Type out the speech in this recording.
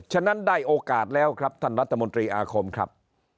ฉะนั้นได้โอกาสแล้วครับท่านรัฐมนตรีอาคมครับ